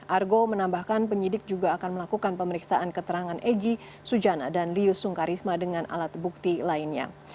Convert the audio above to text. argo menambahkan penyidik juga akan melakukan pemeriksaan keterangan egy sujana dan lius sungkarisma dengan alat bukti lainnya